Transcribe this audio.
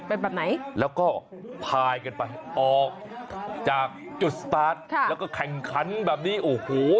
เป็นแบบไหนแล้วก็พายกันไปออกจากจุดสตาร์ทค่ะแล้วก็แข่งขันแบบนี้โอ้โห